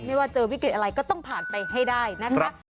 ว่าเจอวิกฤตอะไรก็ต้องผ่านไปให้ได้นะคะ